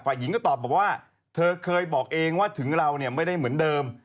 หญิงก็ตอบบอกว่าเธอเคยบอกเองว่าถึงเราเนี่ยไม่ได้เหมือนเดิม